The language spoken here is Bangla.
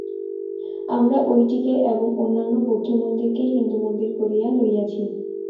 আমরা ঐটিকে এবং অন্যান্য বৌদ্ধমন্দিরকে হিন্দুমন্দির করিয়া লইয়াছি।